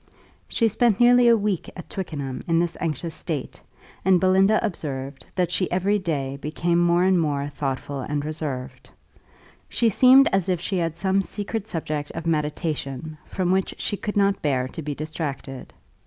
She spent nearly a week at Twickenham in this anxious state, and Belinda observed that she every day became more and more thoughtful and reserved. She seemed as if she had some secret subject of meditation, from which she could not bear to be distracted.